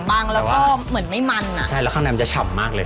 บางแล้วก็เหมือนไม่มันอ่ะใช่แล้วข้างในมันจะฉ่ำมากเลย